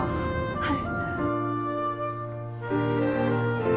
はい。